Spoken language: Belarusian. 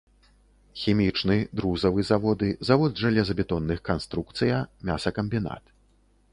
Хімічны, друзавы заводы, завод жалезабетонных канструкцыя, мясакамбінат.